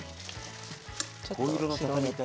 ちょっと広げて。